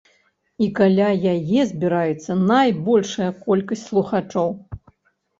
І каля яе збіраецца найбольшая колькасць слухачоў.